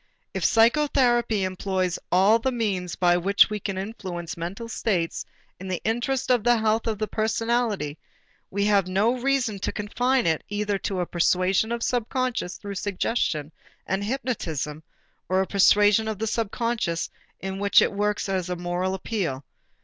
If psychotherapy employs all the means by which we can influence mental states in the interest of the health of the personality, we have no reason to confine it either to a persuasion of the subconscious through suggestion and hypnotism or a persuasion of the conscious, in which it works as a moral appeal.